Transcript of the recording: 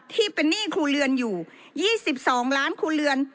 ที่เป็นหนี้ครัวเรือนอยู่๒๒ล้านครัวเรือน